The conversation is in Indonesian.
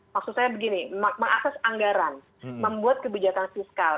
maksud saya begini mengakses anggaran membuat kebijakan fiskal